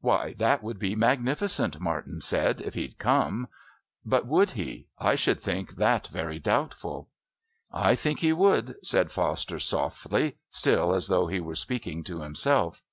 "Why, that would be magnificent," Martin said, "if he'd come. But would he? I should think that very doubtful." "I think he would," said Foster softly, still as though he were speaking to himself.